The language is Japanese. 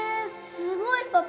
すごいパパ